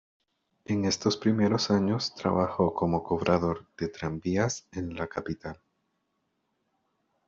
En estos primeros años trabajó como cobrador de tranvías en la capital.